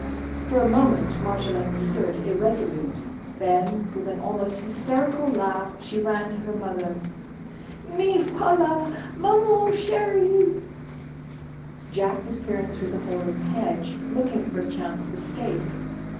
For a moment Marjolaine stood irresolute. Then, with an almost hysterical laugh, she ran to her mother. "Me voilà, Maman chèrie!" Jack was peering through the hole in the hedge, looking for a chance of escape.